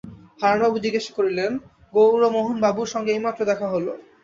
হারানবাবু জিজ্ঞাসা করিলেন, গৌরমোহনবাবুর সঙ্গে এই মাত্র দেখা হল।